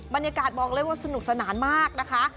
บรรยากาศบอกเลยว่าสนุกสนานมากนะคะ